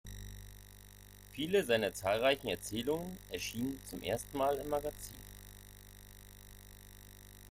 Viele seiner zahlreichen Erzählungen erschien zum ersten Mal im Magazine.